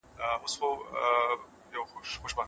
د ځمکې بهرنۍ برخه د یو ډاډمن سپر په څېر زموږ ساتنه کوي.